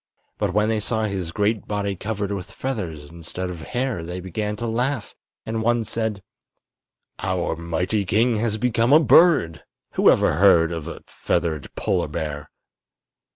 But when they saw his great body covered with feathers instead of hair they began to laugh, and one said: "Our mighty king has become a bird! Who ever before heard of a feathered polar bear?"